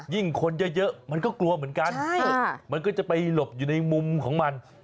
คนเยอะมันก็กลัวเหมือนกันมันก็จะไปหลบอยู่ในมุมของมัน